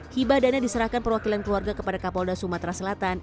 hibah dana diserahkan perwakilan keluarga kepada kapolda sumatera selatan